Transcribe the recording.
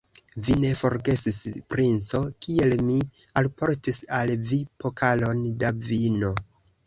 Vi ne forgesis, princo, kiel mi alportis al vi pokalon da vino.